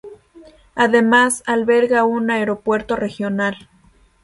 Además alberga un aeropuerto regional.